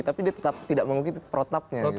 tapi dia tetap tidak mengungkit protapnya